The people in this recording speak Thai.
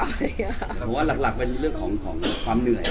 แต่ว่าหลักเป็นเรื่องของความเหนื่อย